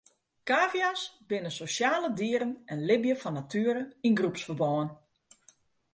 Kavia's binne sosjale dieren en libje fan natuere yn groepsferbân.